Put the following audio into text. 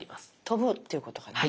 飛ぶっていうことかな？